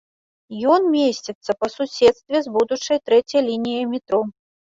Ён месціцца па суседстве з будучай трэцяй лініяй метро.